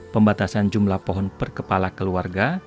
pembatasan jumlah pohon per kepala keluarga